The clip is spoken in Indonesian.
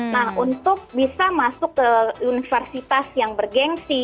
nah untuk bisa masuk ke universitas yang bergensi